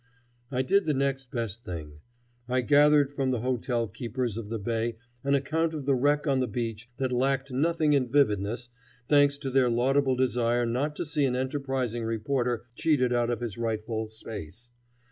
I did the next best thing; I gathered from the hotel keepers of the Bay an account of the wreck on the beach that lacked nothing in vividness, thanks to their laudable desire not to see an enterprising reporter cheated out of his rightful "space."